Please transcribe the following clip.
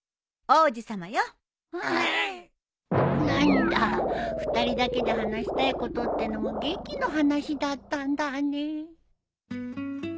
何だ２人だけで話したいことってのも劇の話だったんだね